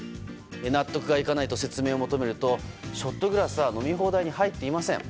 納得がいかないと説明を求めるとショットグラスは飲み放題に入っていません。